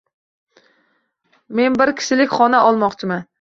Men bir kishilik xona olmoqchiman.